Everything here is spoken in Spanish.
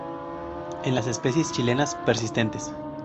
En las especies chilenas, persistentes.